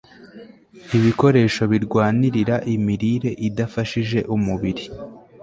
ibikoresho birwanirira imirire idafashije umubiri